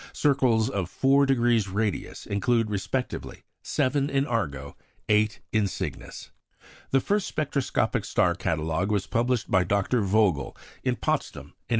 Circles of four degrees radius include respectively seven in Argo, eight in Cygnus. The first spectroscopic star catalogue was published by Dr. Vogel at Potsdam in 1883.